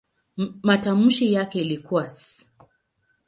Matamshi yake ilikuwa "s".